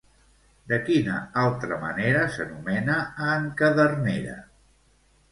De quina altra manera s'anomena a en Cadernera?